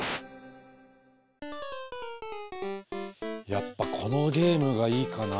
やっぱこのゲームがいいかな。